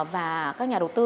và các nhà đầu tư